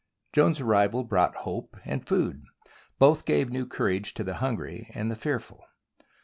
Joan's arrival brought hope and food. Both gave new courage to the hungry and the fearful.